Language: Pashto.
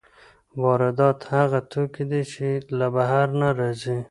واردات هغه توکي دي چې له بهر نه راځي.